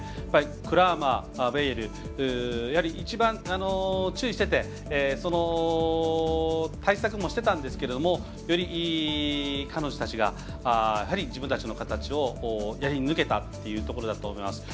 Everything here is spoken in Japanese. クラーマー、ベイエル一番注意してて対策もしていたんですけどより、彼女たちが自分たちの形をやり抜けたというところだと思います。